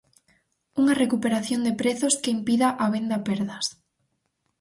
Unha recuperación de prezos que impida a venda perdas.